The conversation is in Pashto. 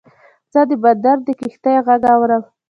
زه د بندر د کښتۍ غږ اورم.